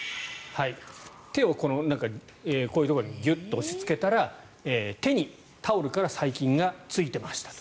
手をこういうところにギュッと押しつけたら手に、タオルから細菌がついてましたと。